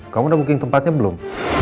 kamu udah booking tempatnya belum